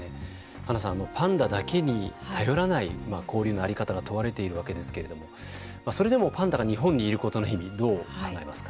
はなさん、パンダだけに頼らない交流の在り方が問われているわけですけれどもそれでもパンダが日本にいることの意味どう考えますか。